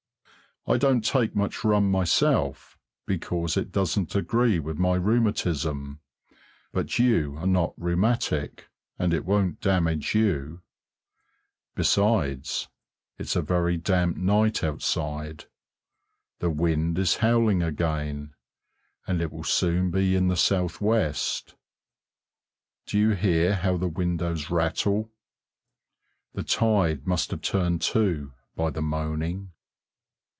I don't take much rum myself, because it doesn't agree with my rheumatism, but you are not rheumatic and it won't damage you. Besides, it's a very damp night outside. The wind is howling again, and it will soon be in the southwest; do you hear how the windows rattle? The tide must have turned too, by the moaning.